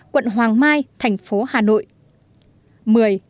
quận hoàng mai tp hcm